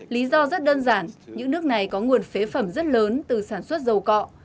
lý do rất đơn giản những nước này có nguồn phế phẩm rất lớn từ sản xuất dầu cọ